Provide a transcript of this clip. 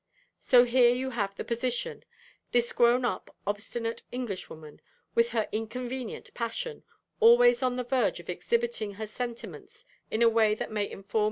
So here you have the position: this grown up, obstinate Englishwoman, with her 'inconvenient' passion, always on the verge of exhibiting her sentiments in a way that may inform M.